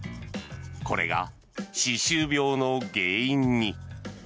これが歯周病の原因に。